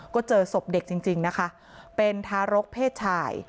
ก็เจอศพเด็กจริงนะคะเป็นทารกเพศชาย